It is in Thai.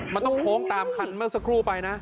มันต้องโพ้ตามทางมันสักครู่ไปนะ